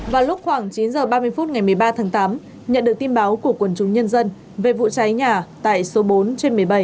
vào lúc khoảng chín h ba mươi phút ngày một mươi ba tháng tám nhận được tin báo của quần chúng nhân dân về vụ cháy nhà tại số bốn trên một mươi bảy